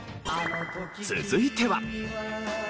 続いては。